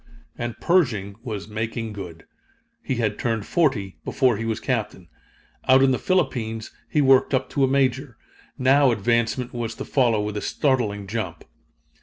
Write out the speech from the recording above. And Pershing was "making good." He had turned forty, before he was Captain. Out in the Philippines he worked up to a Major. Now advancement was to follow with a startling jump.